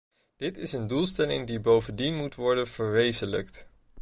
Dit is een doelstelling die bovendien moet worden verwezenlijkt.